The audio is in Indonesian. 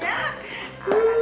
nanti aku dimakai